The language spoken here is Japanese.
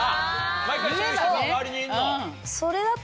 毎回そう言う人が周りにいるの？